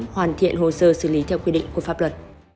hoàn thiện hồ sơ xử lý theo quy định của pháp luật